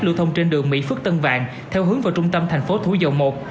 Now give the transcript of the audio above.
lưu thông trên đường mỹ phước tân vàng theo hướng vào trung tâm thành phố thủ dầu một